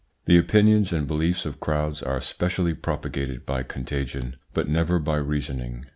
The opinions and beliefs of crowds are specially propagated by contagion, but never by reasoning.